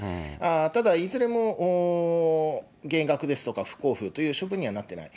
ただいずれも減額ですとか、不交付という処分にはなっていない。